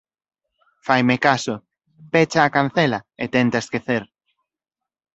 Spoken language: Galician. Faime caso: pecha a cancela e tenta esquecer.